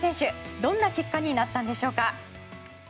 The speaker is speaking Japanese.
どんな結果になったんでしょうか。